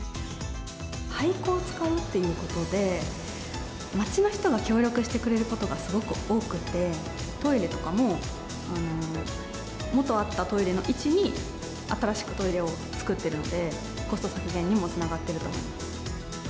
廃校を使うっていうことで、町の人が協力してくれることがすごく多くて、トイレとかも、元あったトイレの位置に、新しくトイレを作っているので、コスト削減にもつながっていると思います。